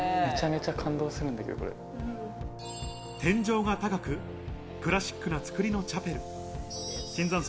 天井が高く、クラシックな造りのチャペル。